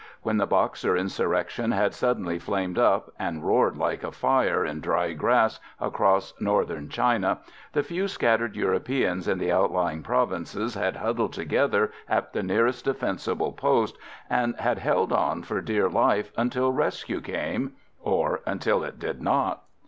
When the Boxer insurrection had suddenly flamed up, and roared, like a fire in dry grass, across Northern China, the few scattered Europeans in the outlying provinces had huddled together at the nearest defensible post and had held on for dear life until rescue came—or until it did not.